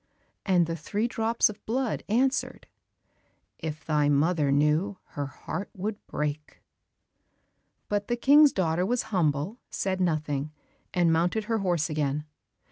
and the three drops of blood answered, "If thy mother knew, her heart would break." But the King's daughter was humble, said nothing, and mounted her horse again.